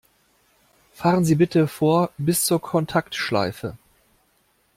Fahren Sie bitte vor bis zur Kontaktschleife!